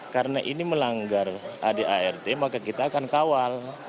karena ini melanggar adart maka kita akan kawal